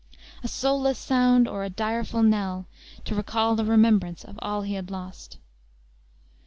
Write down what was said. A soulless sound, or a direful knell, to recall the remembrance of all he had lost.